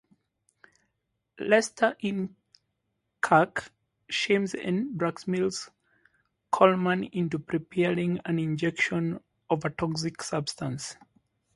Lester-in-Kirk shames and blackmails Coleman into preparing an injection of a toxic substance.